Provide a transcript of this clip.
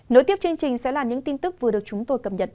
nối tiếp chương trình sẽ là những tin tức vừa được chúng tôi cập nhật